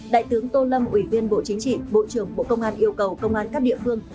đại tướng tô lâm ủy viên bộ chính trị bộ trưởng bộ công an yêu cầu công an các địa phương